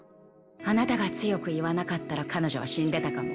あなたが強く言わなかったら彼女は死んでたかも。